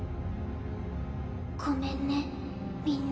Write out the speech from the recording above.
ごめんねみんな。